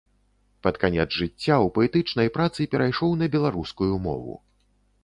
Пад канец жыцця ў паэтычнай працы перайшоў на беларускую мову.